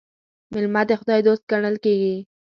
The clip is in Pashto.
مېلمه د خداى دوست ګڼل کېږي.